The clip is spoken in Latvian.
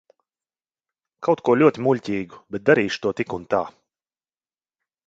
Kaut ko ļoti muļķīgu, bet darīšu to tik un tā.